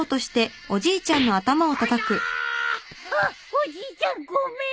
おじいちゃんごめん！